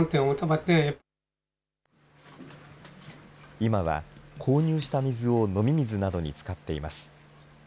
今は購入した水を飲み水などに使っています。